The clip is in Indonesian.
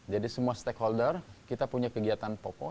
jadi semua stakeholder kita punya kegiatan popo